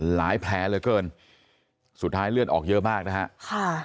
หลายแผลเลยเกินสุดท้ายเลือดออกเยอะมากนะครับ